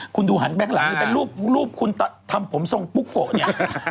คุณดูหันแบล็งก์หลังมีรูปคุณทำผมทรงปุ๊โกนะ